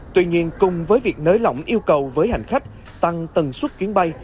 tuy nhiên cùng với việc nới lỏng yêu cầu với hành khách tăng tần suất chuyến bay